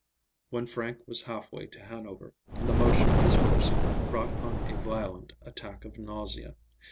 When Frank was halfway to Hanover, the motion of his horse brought on a violent attack of nausea.